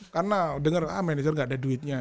karena denger ah manajer gak ada duitnya